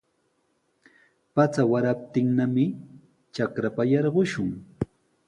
Pacha waraptinmi trakrapa yarqushun.